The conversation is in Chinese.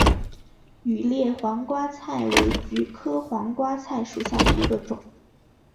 羽裂黄瓜菜为菊科黄瓜菜属下的一个种。